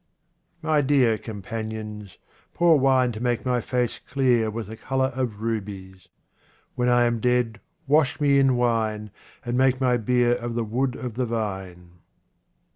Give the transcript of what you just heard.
My dear companions, pour wine to make my face clear with the colour of rubies. When I am dead, wash me in wine, and make my bier of the wood of the vine.